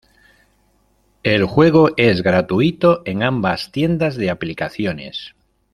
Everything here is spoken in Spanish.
El juego es gratuito en ambas tiendas de aplicaciones.